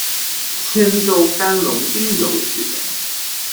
佥州干隆丁酉举人。